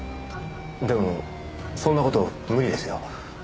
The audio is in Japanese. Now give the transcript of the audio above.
でもそんな事無理ですよ。